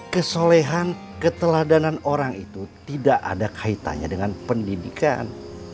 kesolehan keteladanan orang itu tidak ada kaitannya dengan pendidikan